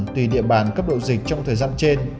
tùy địa bàn cấp độ dịch trong thời gian trên